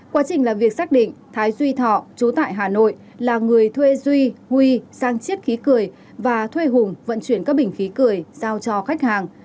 quá trình làm việc xác định thái duy thọ chú tại hà nội là người thuê duy huy sang chiết khí cười và thuê hùng vận chuyển các bình khí cười giao cho khách hàng